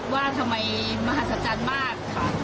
ว่าทำไมมหัศจรรย์มากค่ะ